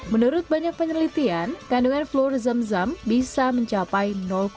menurut banyak penelitian kandungan floor zam zam bisa mencapai